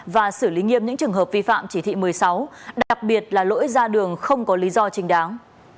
và xử lý nghiêm những trường hợp vi phạm chỉ thị một mươi sáu đặc biệt là lỗi ra đường không có lý do chính đáng